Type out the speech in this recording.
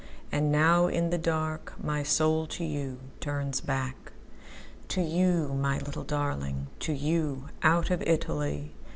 And now in the dark my soul to youTurns back. To you, my little darling, To you, out of Italy.